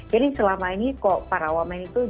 jadi selama ini kok para wamen itu